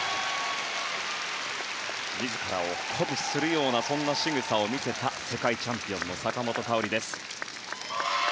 自らを鼓舞するようなそんなしぐさを見せた世界チャンピオンの坂本花織です。